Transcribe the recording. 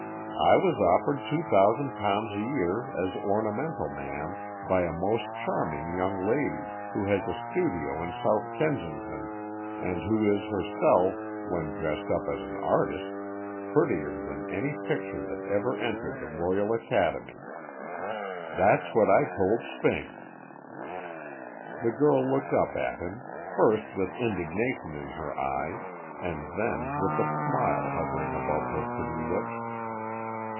I was offered two thousand pounds a year as ornamental man by a most charming young lady, who has a studio in South Kensington, and who is herself, when dressed up as an artist, prettier than any picture that ever entered the Royal Academy'; that's what I told Spink." The girl looked up at him, first with indignation in her eyes, and then with a smile hovering about her pretty lips.